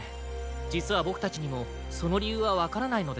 じつはボクたちにもそのりゆうはわからないのです。